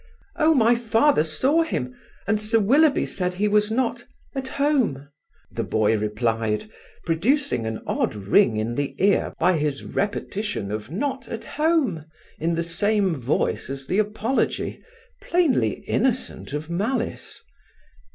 "Oh! my father saw him, and Sir Willoughby said he was not at home," the boy replied, producing an odd ring in the ear by his repetition of "not at home" in the same voice as the apology, plainly innocent of malice.